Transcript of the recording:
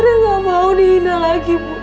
ada gak mau dihina lagi bu